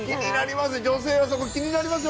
気になります